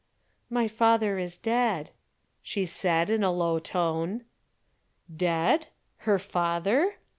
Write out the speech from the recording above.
"My father is dead," she said in a low tone. Dead? Her father?